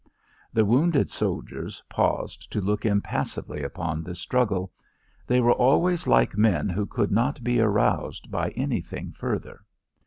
The wounded soldiers paused to look impassively upon this struggle. They were always like men who could not be aroused by anything further.